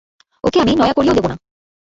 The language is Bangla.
ওকে আমি নয়াকড়িও দেবো না।